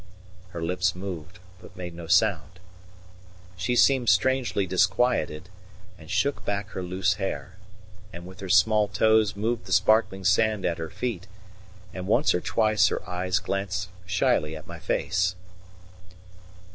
Her lips moved, but made no sound. She seemed strangely disquieted, and shook back her loose hair, and with her small toes moved the sparkling sand at her feet, and once or twice her eyes glanced shyly at my face.